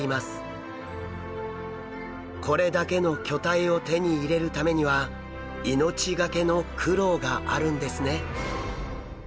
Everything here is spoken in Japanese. これだけの巨体を手に入れるためには命懸けの苦労があるんですね。